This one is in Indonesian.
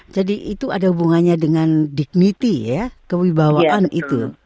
jadi itu ada hubungannya dengan dignity ya kewibawaan itu